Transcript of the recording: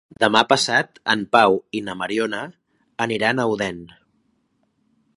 Demà passat en Pau i na Mariona aniran a Odèn.